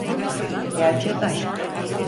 Gerçek aşk.